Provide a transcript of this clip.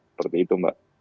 seperti itu mbak